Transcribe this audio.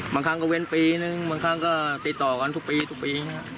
บางครั้งก็เว้นปีนึงบางครั้งก็ติดต่อกันทุกปีทุกปี